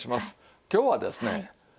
今日はですね